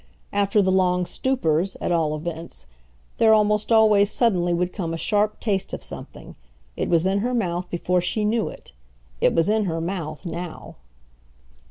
After the long stupors, at all events, there almost always suddenly would come a sharp taste of something; it was in her mouth before she knew it; it was in her mouth now.